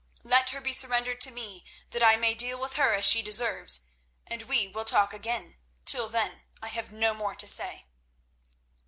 Let her be surrendered to me that I may deal with her as she deserves, and we will talk again. Till then I have no more to say."